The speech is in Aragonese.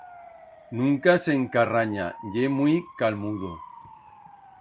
Nunca s'encarranya, ye muit calmudo.